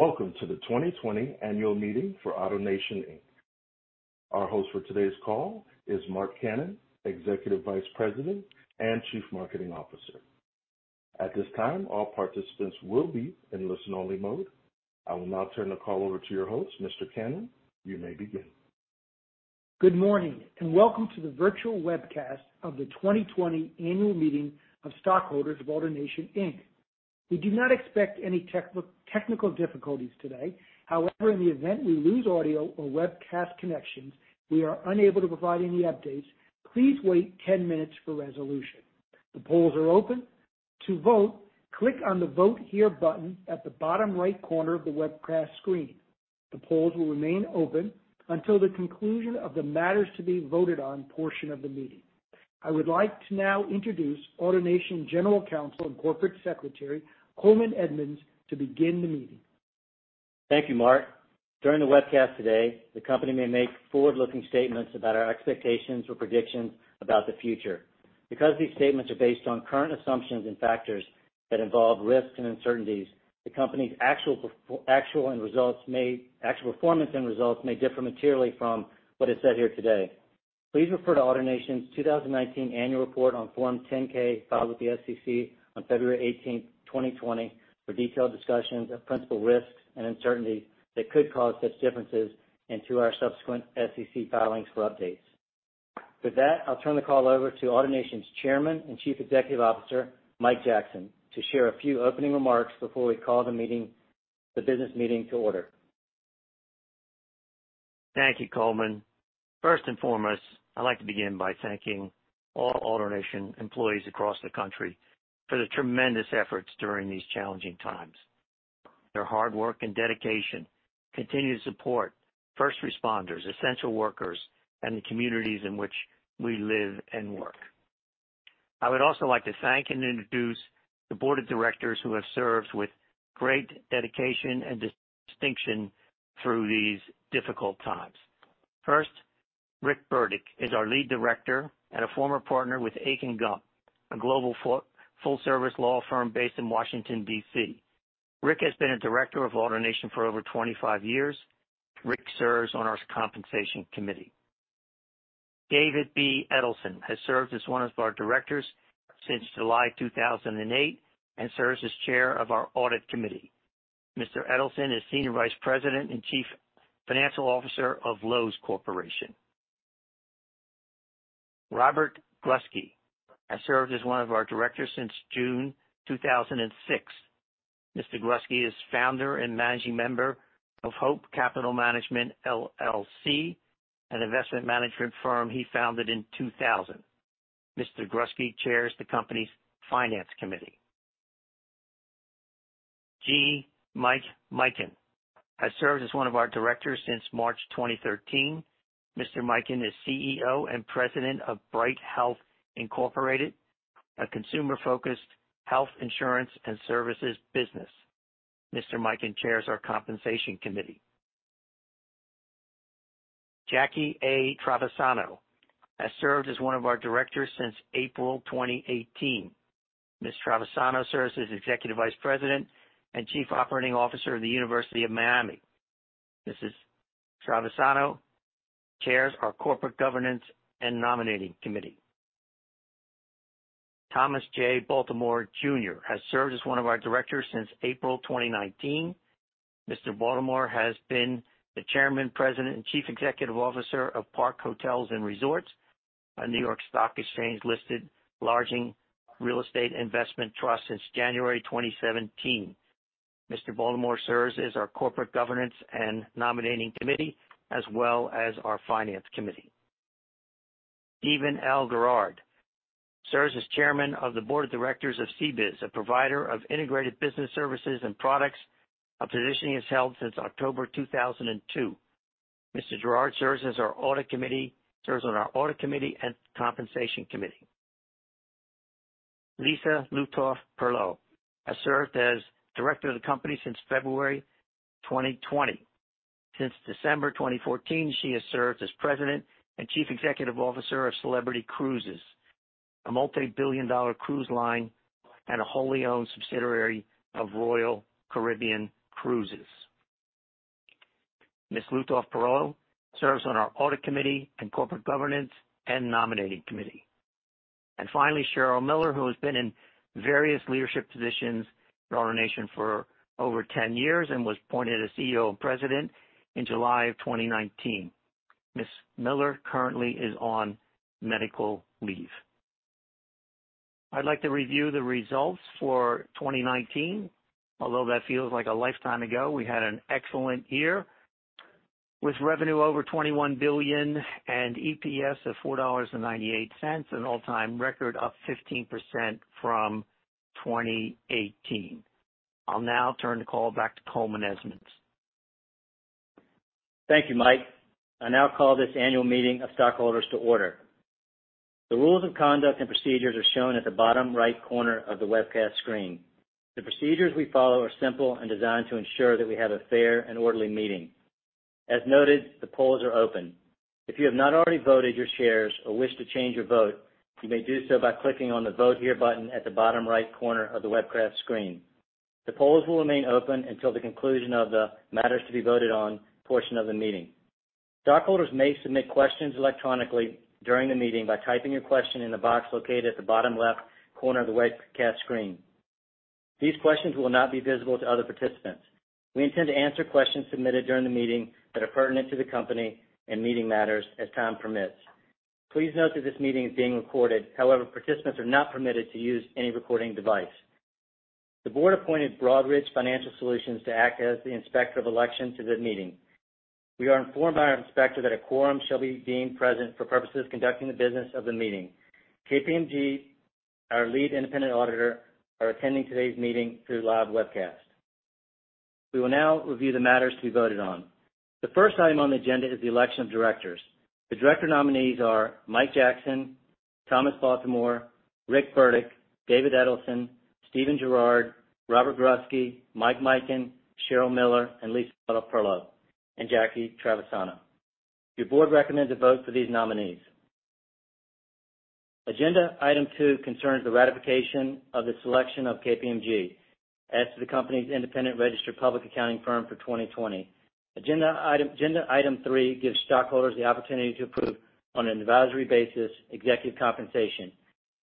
Welcome to the 2020 Annual Meeting for AutoNation, Inc. Our host for today's call is Marc Cannon, Executive Vice President and Chief Marketing Officer. At this time, all participants will be in listen-only mode. I will now turn the call over to your host, Mr. Cannon. You may begin. Good morning and welcome to the virtual webcast of the 2020 Annual Meeting of Stockholders of AutoNation Inc. We do not expect any technical difficulties today. However, in the event we lose audio or webcast connections, we are unable to provide any updates. Please wait 10 minutes for resolution. The polls are open. To vote, click on the Vote Here button at the bottom right corner of the webcast screen. The polls will remain open until the conclusion of the matters to be voted on portion of the meeting. I would like to now introduce AutoNation General Counsel and Corporate Secretary Coleman Edmunds to begin the meeting. Thank you, Mark. During the webcast today, the company may make forward-looking statements about our expectations or predictions about the future. Because these statements are based on current assumptions and factors that involve risks and uncertainties, the company's actual performance and results may differ materially from what is said here today. Please refer to AutoNation's 2019 Annual Report on Form 10-K filed with the SEC on February 18, 2020, for detailed discussions of principal risks and uncertainties that could cause such differences and to our subsequent SEC filings for updates. With that, I'll turn the call over to AutoNation's Chairman and Chief Executive Officer, Mike Jackson, to share a few opening remarks before we call the business meeting to order. Thank you, Coleman. First and foremost, I'd like to begin by thanking all AutoNation employees across the country for the tremendous efforts during these challenging times. Their hard work and dedication continue to support first responders, essential workers, and the communities in which we live and work. I would also like to thank and introduce the board of directors who have served with great dedication and distinction through these difficult times. First, Rick Burdick is our lead director and a former partner with Akin Gump, a global full-service law firm based in Washington, D.C. Rick has been a director of AutoNation for over 25 years. Rick serves on our Compensation Committee. David B. Edelson has served as one of our directors since July 2008 and serves as chair of our Audit Committee. Mr. Edelson is Senior Vice President and Chief Financial Officer of Loews Corporation. Robert R. Grusky has served as one of our directors since June 2006. Mr. Grusky is founder and managing member of Hope Capital Management, LLC, an investment management firm he founded in 2000. Mr. Grusky chairs the company's Finance Committee. G. Mike Mikan has served as one of our directors since March 2013. Mr. Mikan is CEO and President of Bright Health Group, Inc., a consumer-focused health insurance and services business. Mr. Mikan chairs our Compensation Committee. Jackie A. Travisano has served as one of our directors since April 2018. Ms. Travisano serves as Executive Vice President and Chief Operating Officer of the University of Miami. Mrs. Travisano chairs our Corporate Governance and Nominating Committee. Thomas J. Baltimore, Jr., has served as one of our directors since April 2019. Mr. Baltimore has been the Chairman, President, and Chief Executive Officer of Park Hotels and Resorts, a New York Stock Exchange-listed lodging real estate investment trust since January 2017. Mr. Baltimore serves as our Corporate Governance and Nominating Committee as well as our Finance Committee. Stephen L. Gerard serves as Chairman of the Board of Directors of CBIZ, a provider of integrated business services and products. A position he has held since October 2002. Mr. Gerard serves as our Audit Committee, serves on our Audit Committee and Compensation Committee. Lisa Lutoff-Perlo has served as Director of the Company since February 2020. Since December 2014, she has served as President and Chief Executive Officer of Celebrity Cruises, a multi-billion-dollar cruise line and a wholly owned subsidiary of Royal Caribbean Cruises. Ms. Lutoff-Perlo serves on our Audit Committee and Corporate Governance and Nominating Committee. Finally, Cheryl Miller, who has been in various leadership positions for AutoNation for over 10 years and was appointed as CEO and President in July of 2019. Ms. Miller currently is on medical leave. I'd like to review the results for 2019. Although that feels like a lifetime ago, we had an excellent year with revenue over $21 billion and EPS of $4.98, an all-time record, up 15% from 2018. I'll now turn the call back to Coleman Edmunds. Thank you, Mike. I now call this Annual Meeting of Stockholders to order. The rules of conduct and procedures are shown at the bottom right corner of the webcast screen. The procedures we follow are simple and designed to ensure that we have a fair and orderly meeting. As noted, the polls are open. If you have not already voted your shares or wish to change your vote, you may do so by clicking on the Vote Here button at the bottom right corner of the webcast screen. The polls will remain open until the conclusion of the matters to be voted on portion of the meeting. Stockholders may submit questions electronically during the meeting by typing your question in the box located at the bottom left corner of the webcast screen. These questions will not be visible to other participants. We intend to answer questions submitted during the meeting that are pertinent to the company and meeting matters as time permits. Please note that this meeting is being recorded. However, participants are not permitted to use any recording device. The board appointed Broadridge Financial Solutions to act as the inspector of elections to the meeting. We are informed by our inspector that a quorum shall be deemed present for purposes of conducting the business of the meeting. KPMG, our lead independent auditor, are attending today's meeting through live webcast. We will now review the matters to be voted on. The first item on the agenda is the election of directors. The director nominees are Mike Jackson, Thomas Baltimore, Rick Burdick, David Edelson, Stephen Gerard, Robert Grusky, Mike Mikan, Cheryl Miller, and Lisa Lutoff-Perlo, and Jackie Travisano. Your board recommends a vote for these nominees. Agenda item two concerns the ratification of the selection of KPMG as the company's independent registered public accounting firm for 2020. Agenda item three gives stockholders the opportunity to approve on an advisory basis executive compensation.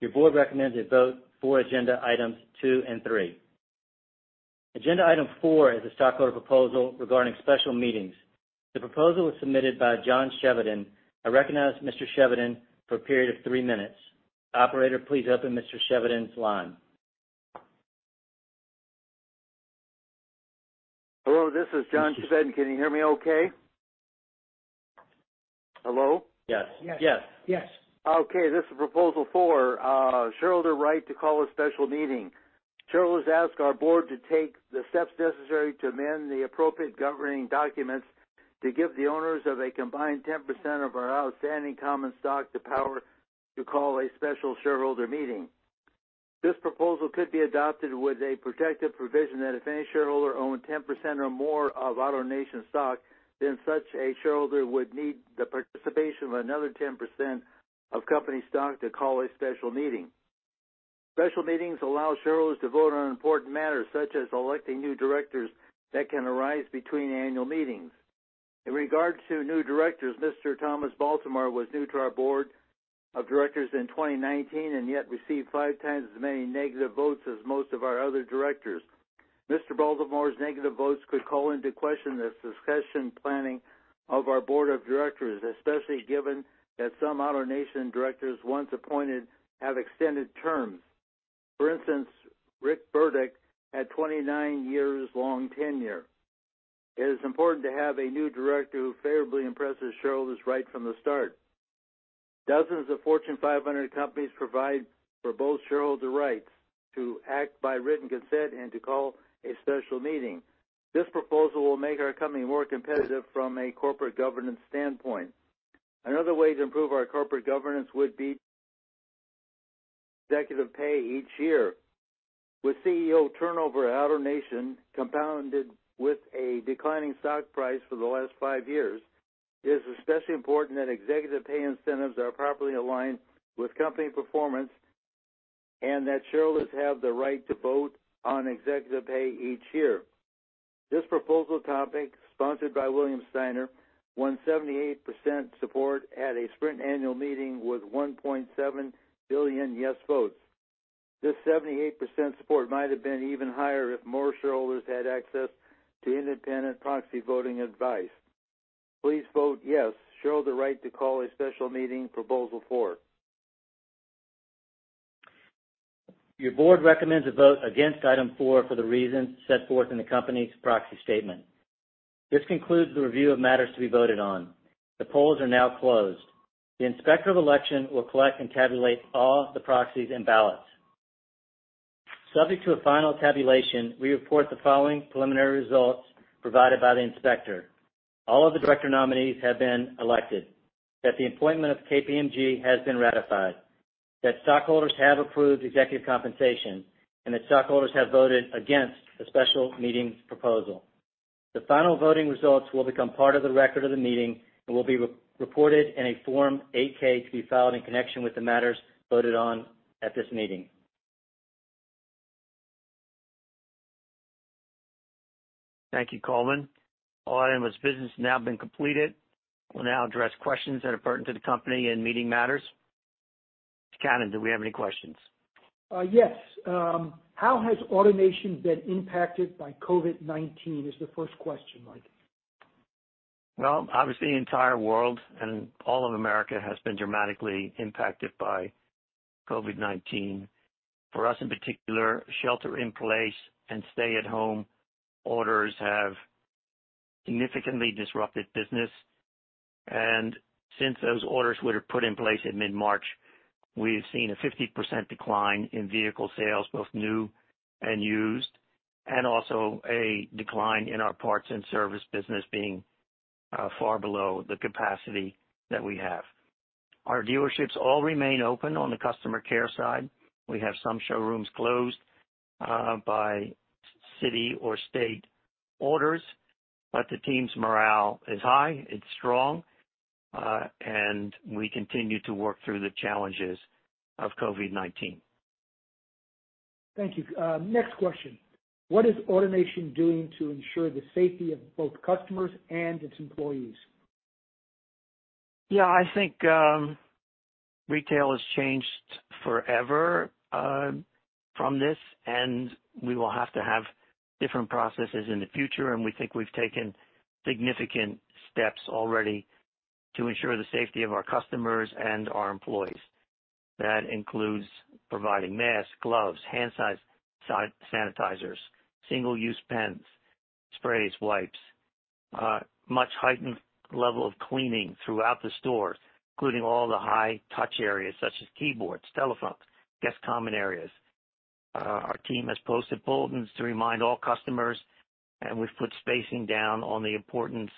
Your board recommends a vote for agenda items two and three. Agenda item four is a stockholder proposal regarding special meetings. The proposal was submitted by John Chevedden. I recognize Mr. Chevedden for a period of three minutes. Operator, please open Mr. Chevedden's line. Hello, this is John Chevedden. Can you hear me okay? Hello? Yes. Yes. Yes. Okay. This is proposal four, shareholder right to call a special meeting. Shareholders ask our board to take the steps necessary to amend the appropriate governing documents to give the owners of a combined 10% of our outstanding common stock the power to call a special shareholder meeting. This proposal could be adopted with a protective provision that if any shareholder owned 10% or more of AutoNation stock, then such a shareholder would need the participation of another 10% of company stock to call a special meeting. Special meetings allow shareholders to vote on important matters such as electing new directors that can arise between annual meetings. In regard to new directors, Mr. Thomas Baltimore was new to our board of directors in 2019 and yet received five times as many negative votes as most of our other directors. Mr. Baltimore's negative votes could call into question the succession planning of our board of directors, especially given that some AutoNation directors once appointed have extended terms. For instance, Rick Burdick had a 29-year-long tenure. It is important to have a new director who favorably impresses shareholders right from the start. Dozens of Fortune 500 companies provide for both shareholders' rights to act by written consent and to call a special meeting. This proposal will make our company more competitive from a corporate governance standpoint. Another way to improve our corporate governance would be executive pay each year. With CEO turnover at AutoNation compounded with a declining stock price for the last five years, it is especially important that executive pay incentives are properly aligned with company performance and that shareholders have the right to vote on executive pay each year. This proposal topic, sponsored by William Steiner, won 78% support at a Sprint annual meeting with 1.7 billion yes votes. This 78% support might have been even higher if more shareholders had access to independent proxy voting advice. Please vote yes, shareholder right to call a special meeting proposal four. Your board recommends a vote against item four for the reasons set forth in the company's proxy statement. This concludes the review of matters to be voted on. The polls are now closed. The inspector of election will collect and tabulate all the proxies and ballots. Subject to a final tabulation, we report the following preliminary results provided by the inspector: all of the director nominees have been elected, that the appointment of KPMG has been ratified, that stockholders have approved executive compensation, and that stockholders have voted against the special meeting proposal. The final voting results will become part of the record of the meeting and will be reported in a Form 8-K to be filed in connection with the matters voted on at this meeting. Thank you, Coleman. All items of business has now been completed. We'll now address questions that are pertinent to the company and meeting matters. Mr. Cannon, do we have any questions? Yes. How has AutoNation been impacted by COVID-19 is the first question, Mike. Well, obviously, the entire world and all of America has been dramatically impacted by COVID-19. For us in particular, shelter-in-place and stay-at-home orders have significantly disrupted business. And since those orders were put in place in mid-March, we've seen a 50% decline in vehicle sales, both new and used, and also a decline in our parts and service business being far below the capacity that we have. Our dealerships all remain open on the customer care side. We have some showrooms closed by city or state orders, but the team's morale is high. It's strong, and we continue to work through the challenges of COVID-19. Thank you. Next question. What is AutoNation doing to ensure the safety of both customers and its employees? Yeah, I think retail has changed forever from this, and we will have to have different processes in the future. And we think we've taken significant steps already to ensure the safety of our customers and our employees. That includes providing masks, gloves, hand sanitizers, single-use pens, sprays, wipes, a much-heightened level of cleaning throughout the stores, including all the high-touch areas such as keyboards, telephones, and guest common areas. Our team has posted bulletins to remind all customers, and we've put spacing down on the importance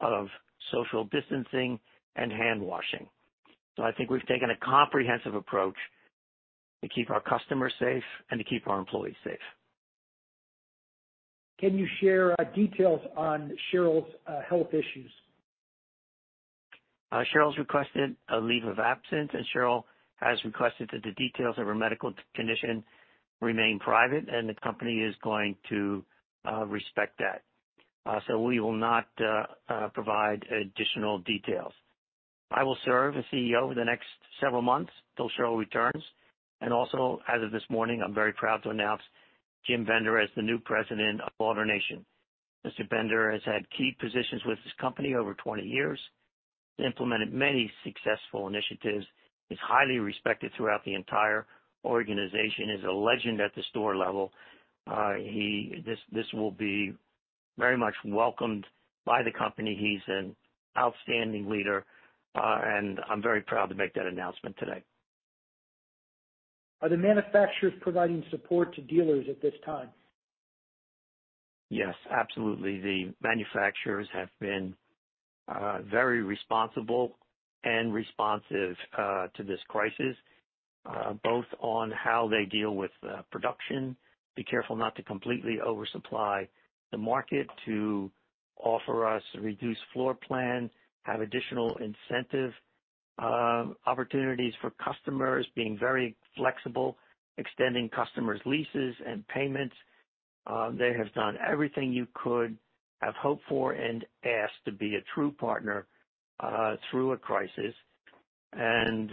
of social distancing and handwashing. So I think we've taken a comprehensive approach to keep our customers safe and to keep our employees safe. Can you share details on Cheryl's health issues? has requested a leave of absence, and Cheryl has requested that the details of her medical condition remain private, and the company is going to respect that. So we will not provide additional details. I will serve as CEO for the next several months until Cheryl returns, and also, as of this morning, I'm very proud to announce Jim Bender as the new President of AutoNation. Mr. Bender has had key positions with this company over 20 years. He's implemented many successful initiatives. He's highly respected throughout the entire organization. He's a legend at the store level. This will be very much welcomed by the company. He's an outstanding leader, and I'm very proud to make that announcement today. Are the manufacturers providing support to dealers at this time? Yes, absolutely. The manufacturers have been very responsible and responsive to this crisis, both on how they deal with production, be careful not to completely oversupply the market, to offer us a reduced floor plan, have additional incentive opportunities for customers, being very flexible, extending customers' leases and payments. They have done everything you could have hoped for and asked to be a true partner through a crisis, and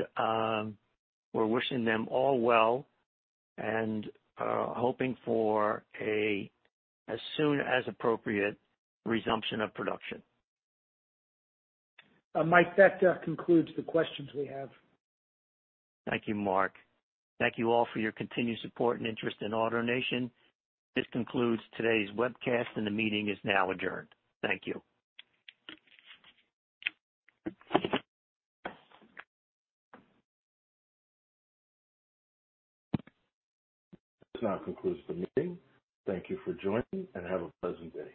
we're wishing them all well and hoping for a, as soon as appropriate, resumption of production. Mike, that concludes the questions we have. Thank you, Mark. Thank you all for your continued support and interest in AutoNation. This concludes today's webcast, and the meeting is now adjourned. Thank you. This now concludes the meeting. Thank you for joining, and have a pleasant day.